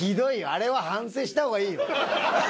あれは反省したほうがいいよ。